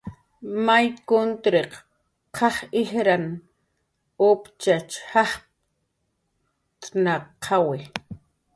May kutriq q'aj ijrnan uptxach jajptnaqawi